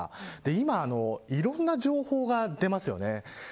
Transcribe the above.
今、いろんな情報が出ますよね。